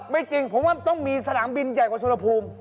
จริงผมว่าต้องมีสนามบินใหญ่กว่าสุรภูมิ